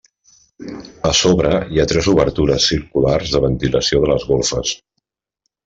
A sobre hi ha tres obertures circulars de ventilació de les golfes.